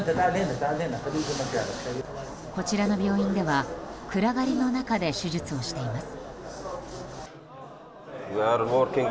こちらの病院では暗がりの中で手術をしています。